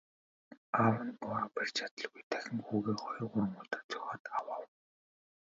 Аав нь уураа барьж чадалгүй дахин хүүгээ хоёр гурван удаа цохиод авав.